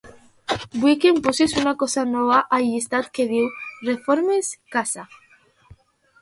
Vull que posis una cosa nova al llistat que es diu "reformes casa".